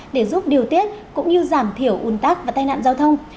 để giúp điều tiết cũng như giảm thiểu un tắc và tai nạn giao thông